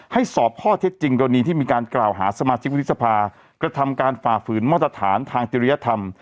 สอบข้อเท็จจริงกรณีที่มีการกล่าวหาสมาชิกวุฒิสภากระทำการฝ่าฝืนมาตรฐานทางจริยธรรม